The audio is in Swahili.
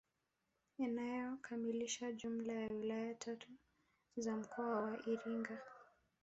Inayokamilisha jumla ya wilaya tatu za mkoa wa Iringa